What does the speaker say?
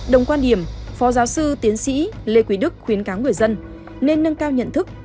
đồng quan điểm phó giáo sư tiến sĩ lê quý đức khuyến cáo người dân nên nâng cao nhận thức